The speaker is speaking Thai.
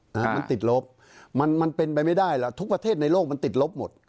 มันติดลบมันมันเป็นไปไม่ได้หรอกทุกประเทศในโลกมันติดลบหมด